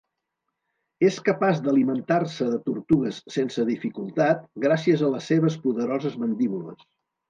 És capaç d'alimentar-se de tortugues sense dificultat gràcies a les seves poderoses mandíbules.